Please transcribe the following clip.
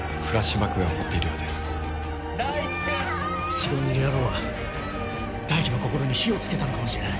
白塗り野郎は大樹の心に火を付けたのかもしれない。